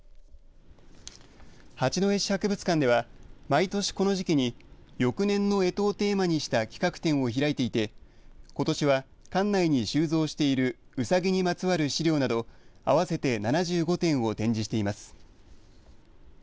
八戸市博物館では毎年この時期に翌年のえとをテーマにした企画展を開いていてことしは館内に収蔵しているうさぎにまつわる資料など合わせて７５点を展示しています。